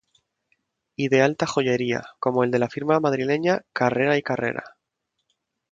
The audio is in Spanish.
Y de alta joyería, como el de la firma madrileña Carrera y Carrera.